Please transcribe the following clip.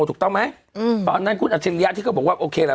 ถูกต้องไหมตอนนั้นคุณอัจฉริยะที่ก็บอกว่าโอเคล่ะ